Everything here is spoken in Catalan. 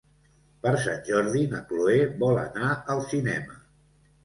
Per Sant Jordi na Chloé vol anar al cinema.